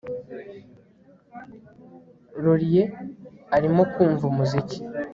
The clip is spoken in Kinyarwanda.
Laurie arimo kumva umuziki